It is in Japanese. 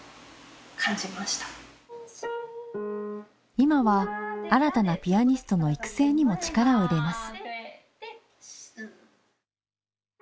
今は新たなピアニストの育成にも力を入れます。